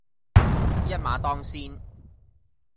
一馬當先